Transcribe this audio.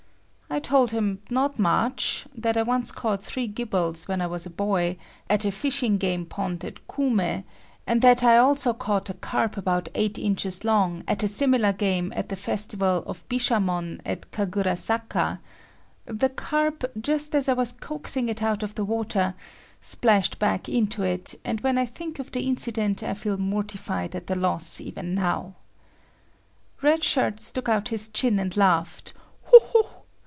I told him not much, that I once caught three gibels when I was a boy, at a fishing game pond at Koume, and that I also caught a carp about eight inches long, at a similar game at the festival of Bishamon at Kagurazaka;—the carp, just as I was coaxing it out of the water, splashed back into it, and when I think of the incident I feel mortified at the loss even now. Red Shirt stuck out his chin and laughed "ho, ho."